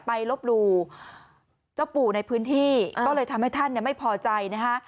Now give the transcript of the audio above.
ลบหลู่เจ้าปู่ในพื้นที่ก็เลยทำให้ท่านไม่พอใจนะฮะ